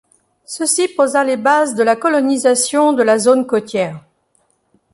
Ceci posa les bases de la colonisation de la zone côtière.